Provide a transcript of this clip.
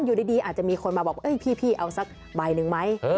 อยู่ดีอาจจะมีคนมาบอกพี่เอาสักใบหนึ่งไหม